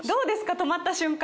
止まった瞬間。